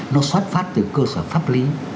nó xuất phát từ cơ sở pháp lý